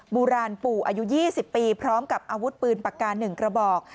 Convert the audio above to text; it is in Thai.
โบราณปู่อายุ๒๐ปีพร้อมกับอาวุธปืนปากกา๑กระบอก